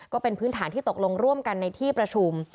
ก็เป็นพื้นฐานที่ตกลงร่วมกันในที่ประชุม